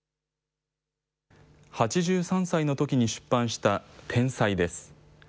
８３歳のときに出版した天才です。